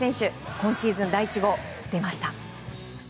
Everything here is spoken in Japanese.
今シーズン第１号、出ました。